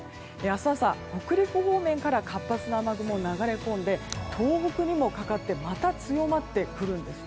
明日朝北陸方面から活発な雨雲が流れ込んで、東北にもかかってまた強まってくるんです。